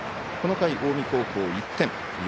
この回、近江高校、１点。